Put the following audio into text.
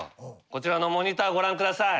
こちらのモニターご覧下さい。